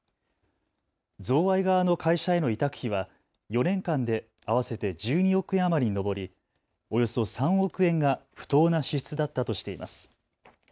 贈賄側の会社への委託費は４年間で合わせて１２億円余りに上り、およそ３億円が不当な支出だったとしています。